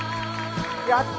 やった！